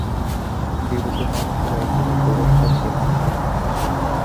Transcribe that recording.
জীবিত মানুষেরা এখানে প্রবেশ করতে পারত না।